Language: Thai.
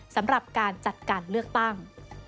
สำหรับการจัดการเลือกตั้ง